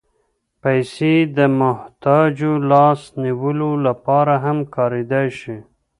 پېسې د محتاجو لاس نیولو لپاره هم کارېدای شي.